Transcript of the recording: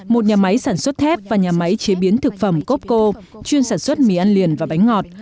một nhà máy sản xuất thép và nhà máy chế biến thực phẩm copco chuyên sản xuất mì ăn liền và bánh ngọt